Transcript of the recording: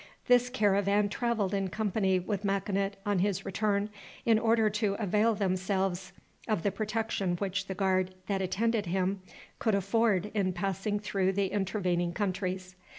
This caravan traveled in company with Makinut on his return, in order to avail themselves of the protection which the guard that attended him could afford in passing through the intervening countries.